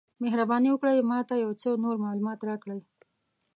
مهرباني وکړئ ما ته یو څه نور معلومات راکړئ؟